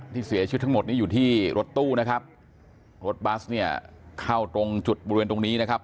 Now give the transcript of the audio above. เสียชีวิตทั้งหมดนี้อยู่ที่รถตู้นะครับรถบัสเนี่ยเข้าตรงจุดบริเวณตรงนี้นะครับ